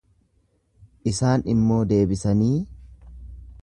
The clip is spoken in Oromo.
Isaan immoo deebisanii,